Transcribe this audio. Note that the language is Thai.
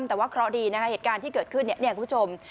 แต่ว่าเคราะห์ดีนะคะเหตุการณ์ที่เกิดขึ้นเนี่ยคุณผู้ชม